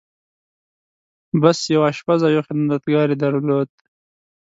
بس! يو آشپز او يو خدمتګار يې درلود.